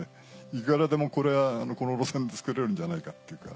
いくらでもこれはこの路線で作れるんじゃないかっていうか。